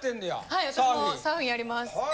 はい私もサーフィンやります。